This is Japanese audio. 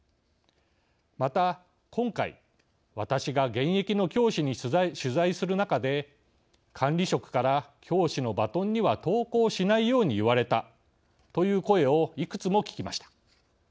また今回私が現役の教師に取材する中で管理職から♯教師のバトンには投稿しないように言われたという声をいくつも聞きました。